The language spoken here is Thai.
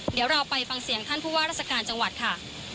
เดี๋ยวเราไปฟังเสียงท่านผู้ว่าราชการจังหวัดค่ะ